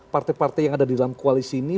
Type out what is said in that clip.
partai partai yang ada di dalam koalisi ini